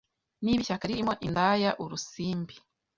niba Ishyaka ririmo IndayaUrusimbi